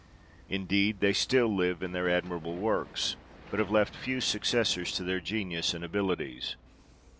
Indeed they still live in their admirable works, but have left few successors to their genius and abilities.